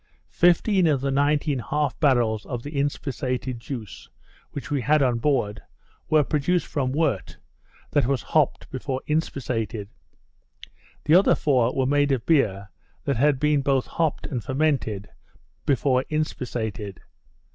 Fifteen of the nineteen half barrels of the inspissated juice which we had on board, were produced from wort that was hopped before inspissated. The other four were made of beer that had been both hopped and fermented before inspissated.